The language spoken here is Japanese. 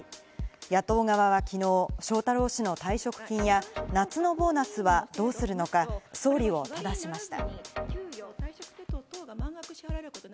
野党側は昨日、翔太郎氏の退職金や夏のボーナスはどうするのか、総理を質しました。